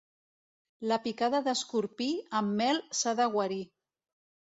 La picada d'escorpí amb mel s'ha de guarir.